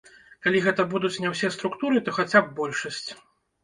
Калі гэта будуць не ўсе структуры, то хаця б большасць.